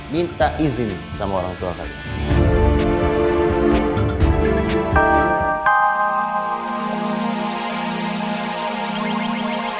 minta izin sama orang tua kami